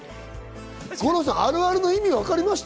五郎さん、あるあるの意味わかってました？